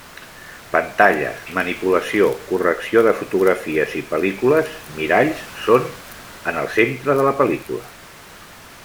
Pantalles, manipulació, correcció de fotografies i pel·lícules, miralls, són en el centre de la pel·lícula.